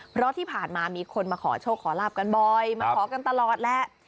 เพราะที่ผ่านมามีคนมาขอโชคขอลาบกันบ่อยมาขอกันตลอดแหละ